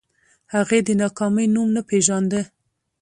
هغې د ناکامۍ نوم نه پېژانده